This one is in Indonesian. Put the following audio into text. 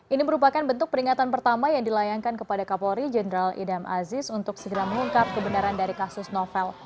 ini merupakan bentuk peringatan pertama yang dilayangkan kepada kapolri jenderal idam aziz untuk segera mengungkap kebenaran dari kasus novel